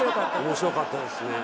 面白かったですね。